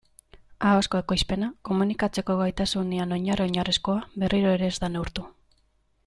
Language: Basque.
Ahozko ekoizpena, komunikatzeko gaitasunean oinarri-oinarrizkoa, berriro ere ez da neurtu.